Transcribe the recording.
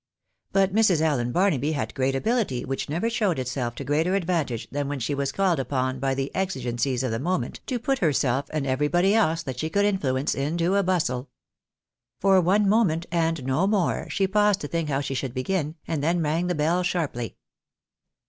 But Mrs. Allen Barnaby had great ability, which never shoAved itself to greater advantage than when she was called upon by the exigencies of the moment, to put herself, and every body else that she could influence, into a bustle. For one moment, and no more, she paused to think how she should begin, and then rang the bell sharply.